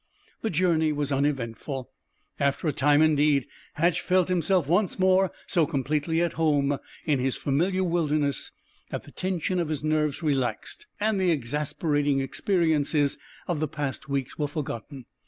The journey was uneventful. After a time, indeed, Hatch felt himself once more so completely at home in his familiar wilderness that the tension of his nerves relaxed, and the exasperating experiences of the past weeks were forgotten.